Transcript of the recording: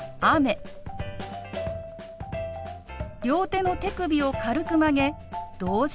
両手の手首を軽く曲げ同時に下ろします。